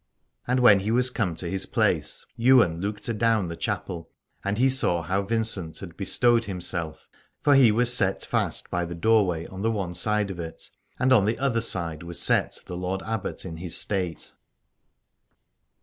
And when he was come to his place Ywain looked adown the chapel, and he saw how Vincent had bestowed himself: for he was set fast by the doorway, on the one side of it, and on the other side was set the Lord Abbot in his state.